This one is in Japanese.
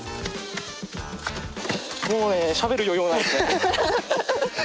もうねしゃべる余裕もないですね。